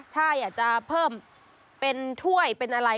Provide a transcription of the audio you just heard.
ถ้าอยากจะเพิ่มเป็นถ้วยเป็นอะไร